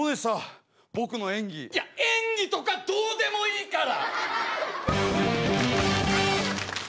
いや演技とかどうでもいいから！